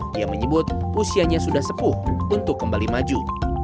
dia menyebut usianya sudah sepuh untuk kembali maju